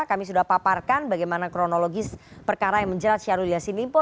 kami sudah paparkan bagaimana kronologis perkara yang menjerat syahrul yassin limpo